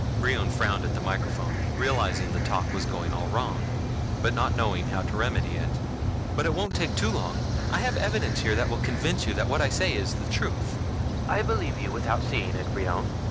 Brion frowned at the microphone, realizing the talk was going all wrong, but not knowing how to remedy it. "But it won't take too long. I have evidence here that will convince you that what I say is the truth." "I believe you without seeing it, Brion."